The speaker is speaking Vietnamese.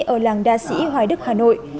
ở làng đa sĩ hoài đức hà nội